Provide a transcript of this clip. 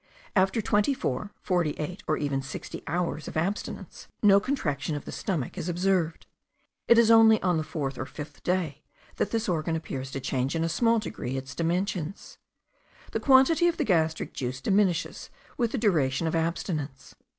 After twenty four, forty eight, or even sixty hours of abstinence, no contraction of the stomach is observed; it is only on the fourth or fifth day that this organ appears to change in a small degree its dimensions. The quantity of the gastric juice diminishes with the duration of abstinence.